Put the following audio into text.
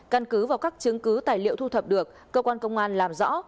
căn cứ vào các chứng cứ tài liệu thu thập được cơ quan công an làm rõ